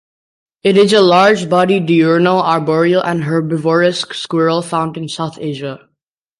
It is a large-bodied diurnal, arboreal, and herbivorous squirrel found in South Asia.